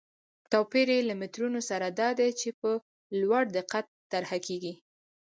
توپیر یې له مترونو سره دا دی چې په لوړ دقت طرحه کېږي.